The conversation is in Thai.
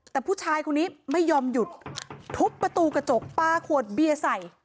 แต่ผู้ชายคนนี้ไม่ยอมหยุดทุบประตูกระจกปลาขวดเบียร์ใส่